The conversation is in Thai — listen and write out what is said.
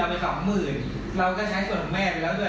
เอาแค่ห้าพันเลยเอาไปขึ้นได้ไม่ได้แล้วเนี่ย